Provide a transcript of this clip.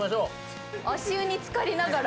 足湯に漬かりながら。